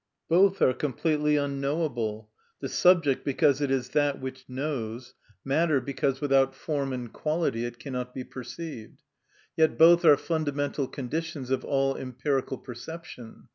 Both are completely unknowable; the subject because it is that which knows, matter because without form and quality it cannot be perceived. Yet both are fundamental conditions of all empirical perception.